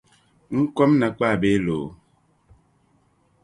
N kom’ nakpaa bee loo?